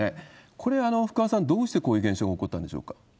これ、福和さん、どうしてこういう現象が起きたんでしょうか？